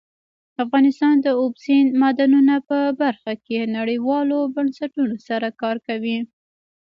افغانستان د اوبزین معدنونه په برخه کې نړیوالو بنسټونو سره کار کوي.